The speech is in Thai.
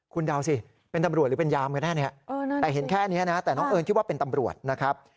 คุณเดาสิเป็นตำรวจหรือเป็นยามกันแน่เนี่ยแต่เห็นแค่นี้นะแต่น้องเอิญคิดว่าเป็นตำรวจนะครับ